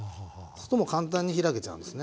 するともう簡単に開けちゃうんですね